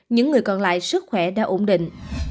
những người còn lại sức khỏe đã ổn định